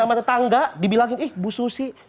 sama tetangga dibilangin ih bu susi